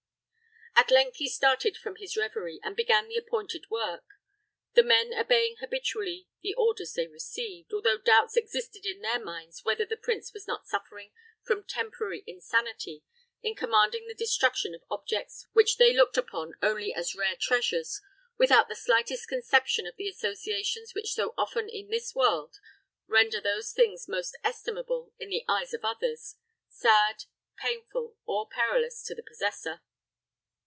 At length he started from his revery, and began the appointed work, the men obeying habitually the orders they received, although doubts existed in their minds whether the prince was not suffering from temporary insanity in commanding the destruction of objects which they looked upon only as rare treasures, without the slightest conception of the associations which so often in this world render those things most estimable in the eyes of others, sad, painful, or perilous to the possessor.